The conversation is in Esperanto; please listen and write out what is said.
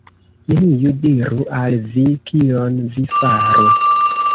Neniu diru al vi, kion vi faru.